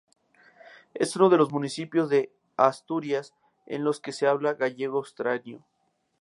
Es uno de los municipios de Asturias en los que se habla gallego-asturiano.